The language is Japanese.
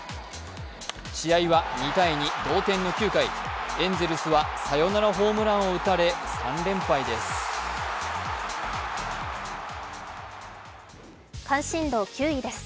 試合は２−２、同点の９回エンゼルスはサヨナラホームランを打たれ３連敗です。